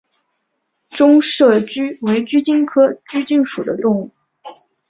中麝鼩为鼩鼱科麝鼩属的动物。